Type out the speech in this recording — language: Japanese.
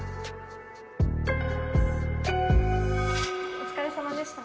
お疲れさまでした。